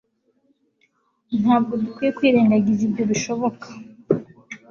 ntabwo dukwiye kwirengagiza ibyo bishoboka